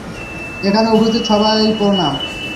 এখানে উপস্থিত সবাই প্রণাম।